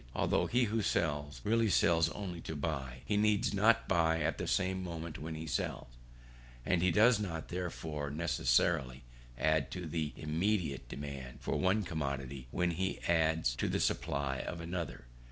Although he who sells, really sells only to buy, he needs not buy at the same moment when he sells; and he does not therefore necessarily add to the immediate demand for one commodity when he adds to the supply of another.